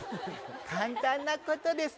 簡単なことです。